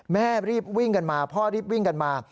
แม่รีบวิ่งกันมาพ่อรีบวิ่งกันมา